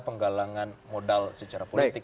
penggalangan modal secara politik